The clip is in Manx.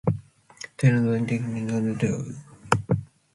T'eh Jee dy atçhim daue.